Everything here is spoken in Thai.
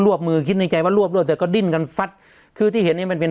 วบมือคิดในใจว่ารวบรวบแต่ก็ดิ้นกันฟัดคือที่เห็นเนี้ยมันเป็น